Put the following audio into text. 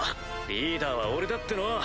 リーダーは俺だっての。